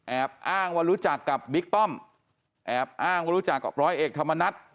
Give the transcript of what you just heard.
อ้างว่ารู้จักกับบิ๊กป้อมแอบอ้างว่ารู้จักกับร้อยเอกธรรมนัฐ